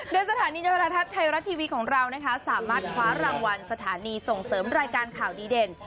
โดยสถานีโทรทัศน์ไทยรัฐทีวีของเรานะคะสามารถคว้ารางวัลสถานีส่งเสริมรายการข่าวดีเด่น